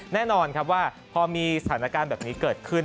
แน่นอนครับว่าพอมีสถานการณ์แบบนี้เกิดขึ้น